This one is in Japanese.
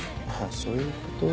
そういうこと。